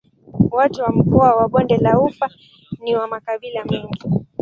Watu wa mkoa wa Bonde la Ufa ni wa makabila mengi.